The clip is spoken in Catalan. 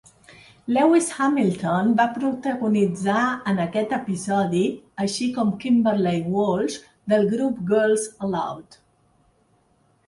Lewis Hamilton va protagonitzar en aquest episodi, així com Kimberley Walsh, del grup Girls Aloud.